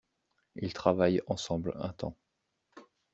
Ils travaillent ensemble un temps.